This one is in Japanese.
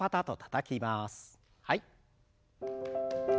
はい。